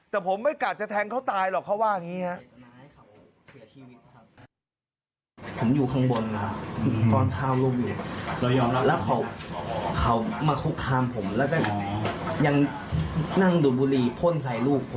แต่ผมไม่กะจะแทงเขาตายหรอกเขาว่าอย่างนี้ครับ